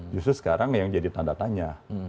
justru sekarang yang jadi tanda tanya